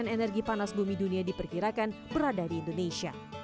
energi panas bumi dunia diperkirakan berada di indonesia